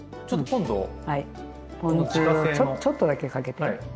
ポン酢をちょっとだけかけて。